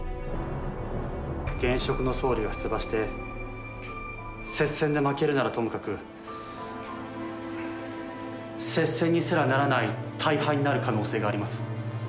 現職の総理が出馬して接戦で負けるならともかく、接戦にすらならない大敗になる可能性があります。